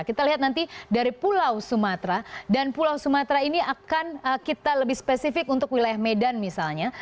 kita lihat nanti dari pulau sumatera dan pulau sumatera ini akan kita lebih spesifik untuk wilayah medan misalnya